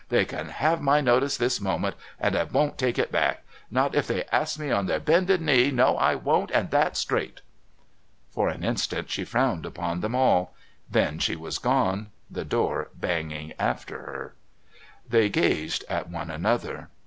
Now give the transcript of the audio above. They can 'ave my notice this moment, and I won't take it back, not if they ask me on their bended knees no, I won't and that's straight." For an instant she frowned upon them all then she was gone, the door banging after her. They gazed at one another.